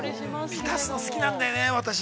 ◆びたしの好きなんだよね、私。